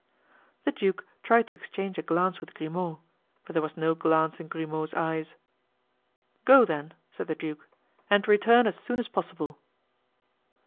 The duke tried to exchange a glance with Grimaud, but there was no glance in Grimaud's eyes. "Go, then," said the duke, "and return as soon as possible."